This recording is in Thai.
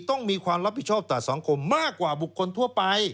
ต้องมีความรับผิดชอบต่อสังคมมากกว่าบุคคลทั่วไป